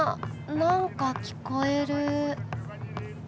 何か聞こえる。